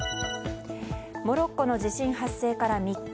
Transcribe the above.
モロッコの地震発生から３日。